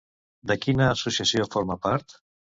De quina associació forma part?